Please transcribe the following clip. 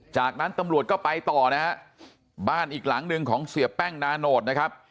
จากนั้นตำรวจก็ไปต่อนะฮะบ้านอีกหลังหนึ่งของเสียแป้งนาโนตนะครับ